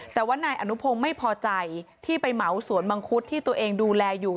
แต่ว่านายอนุพงศ์ไม่พอใจที่ไปเหมาสวนมังคุดที่ตัวเองดูแลอยู่